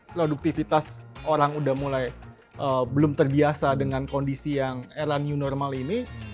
produktivitas orang udah mulai belum terbiasa dengan kondisi yang era new normal ini